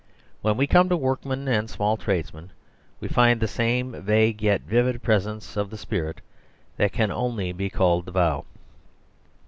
When we come to work men and small tradesmen, we find the same vague yet vivid presence of the spirit that can only be called the Vow.